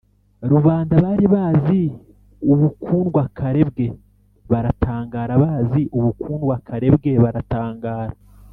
rubanda bari bazi ubukundwakare bwe baratangara bazi ubukundwakare bwe baratangara